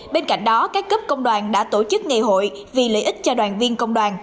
bên cạnh đó các cấp công đoàn đã tổ chức ngày hội vì lợi ích cho đoàn viên công đoàn